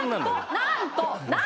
なんと！